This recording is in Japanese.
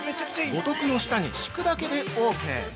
◆五徳の下に敷くだけでオーケー。